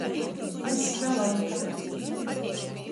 Vyss da laika.